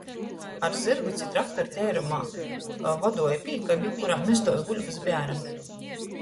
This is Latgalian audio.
Ar zyrgu ci traktoru teirumā voduoja pīkabi, kurā mes tuos guļbys bērem.